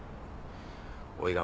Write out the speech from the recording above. おいが